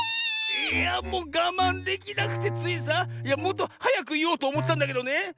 ⁉いやもうがまんできなくてついさいやもっとはやくいおうとおもってたんだけどね。